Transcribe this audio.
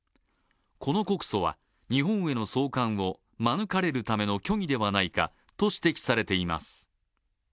この告訴は、日本への送還を免れるための虚偽ではないかと指摘されています。